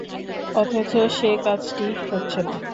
অথচ সে কাজটিই হচ্ছে না।